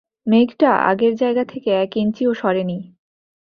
মেঘটা আগের জায়গা থেকে এক ইঞ্চিও সরেনি।